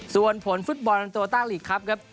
ส่วนผลฟุตบอลโตต้าลีกครับครับ